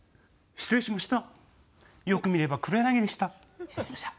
失礼しました。